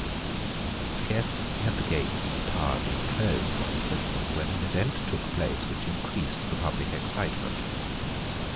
Scarcely had the gates of the Tower been closed on the prisoners when an event took place which increased the public excitement.